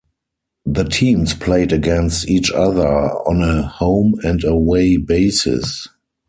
The teams played against each other on a home-and-away basis.